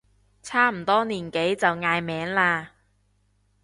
差唔多年紀就嗌名啦